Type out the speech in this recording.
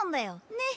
ねっ？